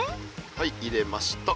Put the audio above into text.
はい入れました。